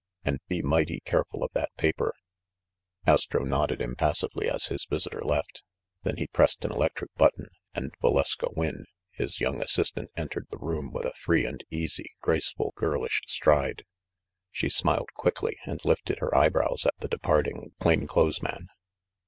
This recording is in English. And be mighty careful of that paper !" Astro nodded impassively as his visitor left. Then he pressed an electric button, and Valeska Wynne, his THE MACDOUGAL STREET AFFAIR 49 young assistant, entered the room with" a free and easy, graceful, girlish stride. She smiled quickly, and lifted her eyebrows at the departing plain clothes man.